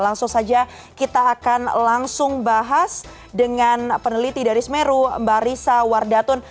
langsung saja kita akan langsung bahas dengan peneliti dari semeru mbak risa wardatun